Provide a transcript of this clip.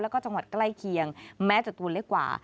แล้วก็จังหวัดใกล้เคียงแม้จะตัวเล็กกว่า